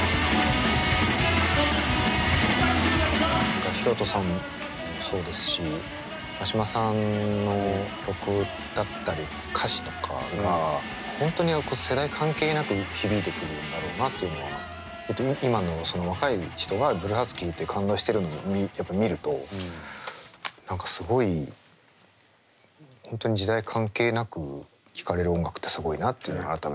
何かヒロトさんもそうですし真島さんの曲だったり歌詞とかが本当に世代関係なく響いてくるんだろうなっていうのは今の若い人がＴＨＥＢＬＵＥＨＥＡＲＴＳ聴いて感動してるのを見ると何かすごい本当に時代関係なく聴かれる音楽ってすごいなっていうのは改めて思いますね。